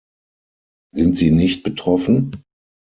Sind sie nicht betroffen?